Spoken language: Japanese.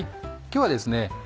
今日はですね